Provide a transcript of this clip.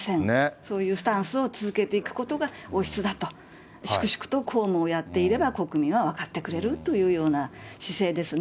そういうスタンスを続けていくことが王室だと、粛々と公務をやっていれば国民は分かってくれるというような姿勢ですね。